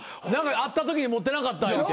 会ったときに持ってなかった言うて。